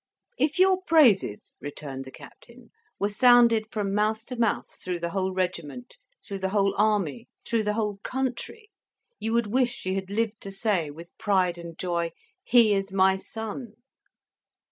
"If your praises," returned the Captain, "were sounded from mouth to mouth through the whole regiment, through the whole army, through the whole country, you would wish she had lived to say, with pride and joy, 'He is my son!'"